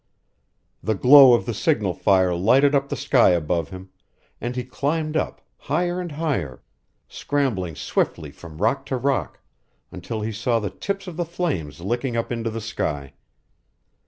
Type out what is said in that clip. The glow of the signal fire lighted up the sky above him, and he climbed up, higher and higher, scrambling swiftly from rock to rock, until he saw the tips of the flames licking up into the sky.